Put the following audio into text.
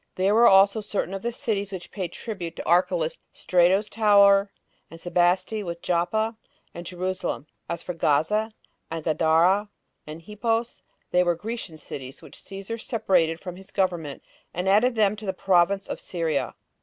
There were also certain of the cities which paid tribute to Archelaus: Strato's Tower and Sebaste, with Joppa and Jerusalem; for as to Gaza, and Gadara, and Hippos, they were Grecian cities, which Cæsar separated from his government, and added them to the province of Syria.